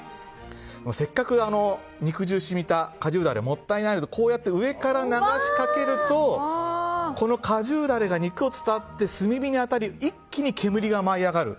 せっかく肉汁染みた果汁ダレもったいないのでこうやって上から流しかけるとこの果汁ダレが肉を伝わって炭火に当たり一気に煙が舞い上がる。